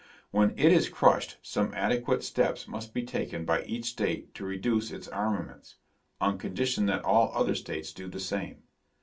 When it is crushed, some adequate steps must be taken by each state to reduce its armaments, on condition that all other states do the same.